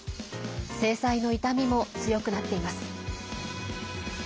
制裁の痛みも強くなっています。